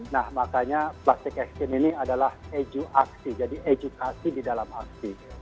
nah makanya plastik exchange ini adalah edu aksi jadi edukasi di dalam aksi